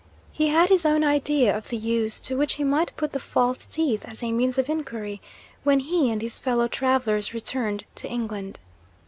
He had his own idea of the use to which he might put the false teeth as a means of inquiry when he and his fellow travellers returned to England.